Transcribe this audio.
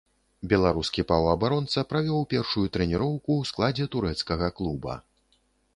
Беларускі паўабаронца правёў першую трэніроўку ў складзе турэцкага клуба.